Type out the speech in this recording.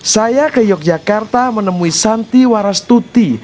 saya ke yogyakarta menemui santi warastuti